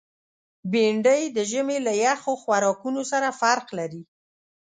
بېنډۍ د ژمي له یخو خوراکونو سره فرق لري